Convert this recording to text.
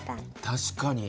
確かに。